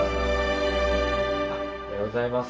おはようございます。